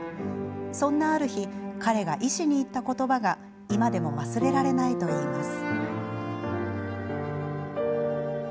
そんな、ある日彼が医師に言った言葉が今でも忘れられないといいます。